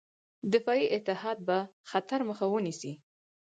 دفاعي اتحاد به خطر مخه ونیسي.